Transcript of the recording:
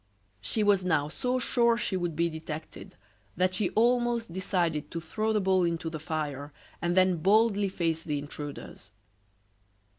She was now so sure she would be detected that she almost decided to throw the bowl into the fire, and then boldly face the intruders.